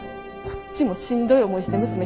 こっちもしんどい思いして娘